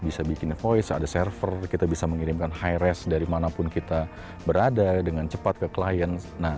bisa bikin voice ada server kita bisa mengirimkan high resk dari manapun kita berada dengan cepat ke klien